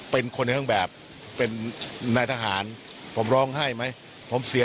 เป็นคนในเครื่องแบบเป็นนายทหารผมร้องไห้ไหมผมเสีย